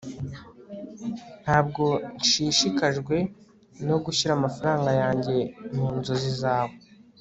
ntabwo nshishikajwe no gushyira amafaranga yanjye mu nzozi zawe